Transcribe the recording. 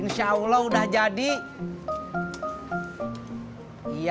masya allah yaudah tuh